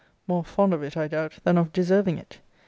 More fond of it, I doubt, than of deserving it.